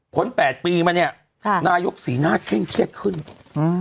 แปดปีมาเนี้ยค่ะนายกสีหน้าเคร่งเครียดขึ้นอืม